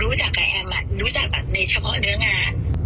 รู้จักกับแอมรู้จักแบบในเฉพาะเนื้องาน